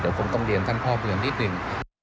เดี๋ยวคงต้องเรียนท่านพ่อเพียงนิดหนึ่ง